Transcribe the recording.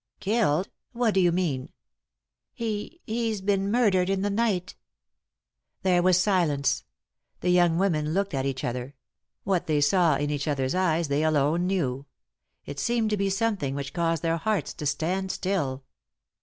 " Killed ? What do you mean i" " He — he's been murdered in the night" There was silence. The young women looked at each other ; what they saw in each other's eyes they alone knew ; it seemed to be something which caused 3i 9 iii^d by Google THE INTERRUPTED KISS their hearts to stand still.